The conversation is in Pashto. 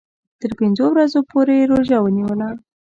تر پنځو ورځو پوري یې روژه ونیوله.